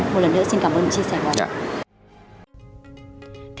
một lần nữa xin cảm ơn chia sẻ với anh